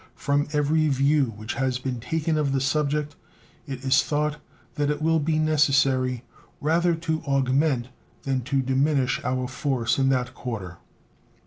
From every view which has been taken of the subject it is thought that it will be necessary rather to augment than to diminish our force in that quarter.